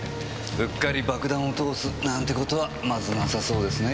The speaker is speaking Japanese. うっかり爆弾を通すなんて事はまずなさそうですね。